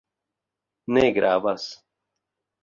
Ne gravas.